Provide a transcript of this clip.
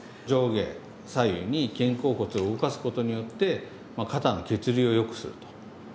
上下左右に肩甲骨を動かすことによって肩の血流をよくすると。